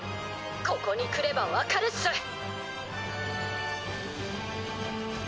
ここに来ればわかるっす！